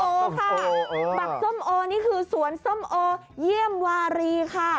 บักส้มโอนี่คือสวนส้มโอเยี่ยมวารีค่ะ